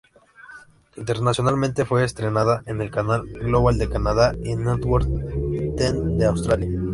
Internacionalmente fue estrenada en el canal Global de Canadá, y Network ten de Australia.